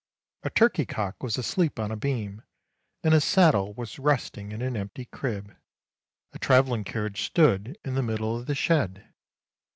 A turkey cock was asleep on a beam, and a saddle was resting in an empty crib. A travelling carriage stood in the middle of the 2 6o ANDERSEN'S FAIRY TALES shed.